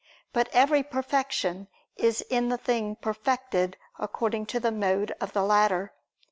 But every perfection is in the thing perfected according to the mode of the latter.